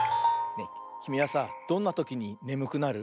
きみはさどんなときにねむくなる？